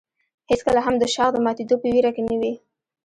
هېڅکله هم د شاخ د ماتېدو په ویره کې نه وي.